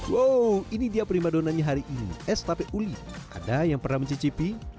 wow ini dia prima donanya hari ini es tape uli ada yang pernah mencicipi